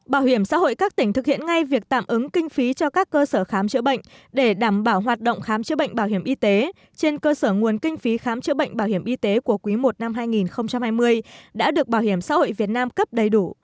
bảo hiểm xã hội các tỉnh thực hiện ngay việc tạm ứng kinh phí cho các cơ sở khám chữa bệnh để đảm bảo hoạt động khám chữa bệnh bảo hiểm y tế trên cơ sở nguồn kinh phí khám chữa bệnh bảo hiểm y tế của quý i năm hai nghìn hai mươi đã được bảo hiểm xã hội việt nam cấp đầy đủ